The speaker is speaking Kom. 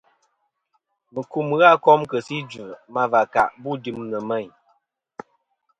Mukum ghɨ a kom kɨ si idvɨ ma và kà bu dɨm nɨ̀ meyn.